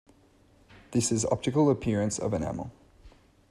This is optical appearance of enamel.